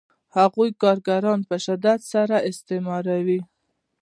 هغوی کارګران په شدت سره استثماروي